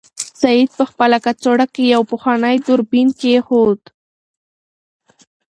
سعید په خپله کڅوړه کې یو پخوانی دوربین کېښود.